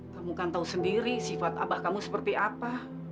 kamu kan tahu sendiri sifat abah kamu seperti apa